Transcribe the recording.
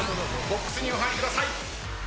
ボックスにお入りください。